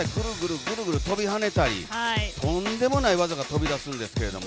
くるくる飛び跳ねたりとんでもない技が飛び出すんですけども。